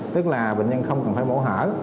tức là bệnh nhân không cần phải mổ hở